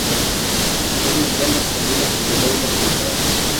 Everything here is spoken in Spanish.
Es esencial no confundirlo con Gregorio López de Tovar, quien fue su nieto.